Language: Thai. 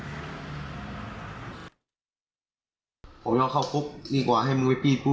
ผมยอมเข้าคุกดีกว่าให้มึงไปปี่